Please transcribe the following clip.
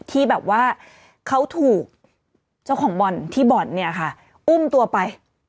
ที่แบบว่าเขาถูกเจ้าของบ่อนที่บ่อนเนี่ยค่ะอุ้มตัวไป